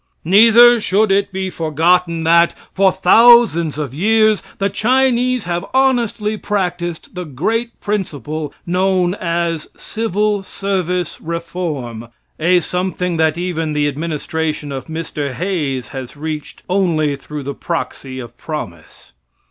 Neither should it be forgotten that, for thousands of years, the Chinese have honestly practiced the great principle known as civil service reform a something that even the administration of Mr. Hayes has reached only through the proxy of promise.